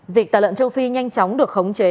dịch tả lợn châu phi nhanh chóng được khống chế